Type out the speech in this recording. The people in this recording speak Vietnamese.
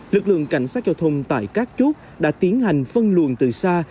lực lượng cảnh sát giao thông tại các chốt đã tiến hành phân luồng từ xa